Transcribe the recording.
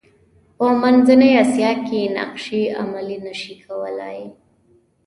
په منځنۍ اسیا کې نقشې عملي نه شي کولای.